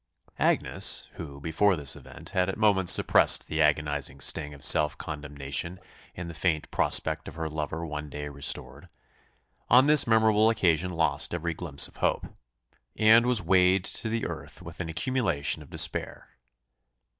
Agnes, who, before this event, had at moments suppressed the agonising sting of self condemnation in the faint prospect of her lover one day restored, on this memorable occasion lost every glimpse of hope, and was weighed to the earth with an accumulation of despair.